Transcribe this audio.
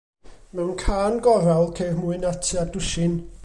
Mewn cân gorawl, ceir mwy na tua dwsin.